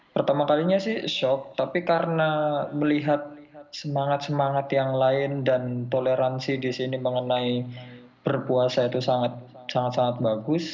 pertama kalinya sih shock tapi karena melihat lihat semangat semangat yang lain dan toleransi di sini mengenai berpuasa itu sangat sangat bagus